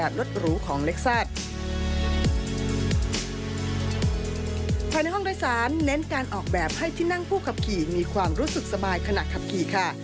แบบให้ที่นั่งผู้ขับขี่มีความรู้สึกสบายขนาดขับขี่ค่ะ